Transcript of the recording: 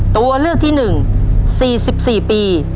ตัวเลือกที่๑๔๔ปี